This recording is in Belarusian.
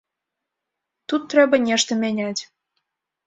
Тут трэба нешта мяняць.